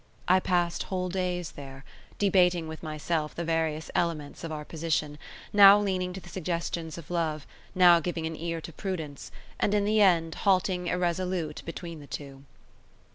I passed whole days there, debating with myself the various elements of our position; now leaning to the suggestions of love, now giving an ear to prudence, and in the end halting irresolute between the two.